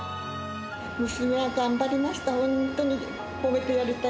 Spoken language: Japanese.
娘は頑張りました。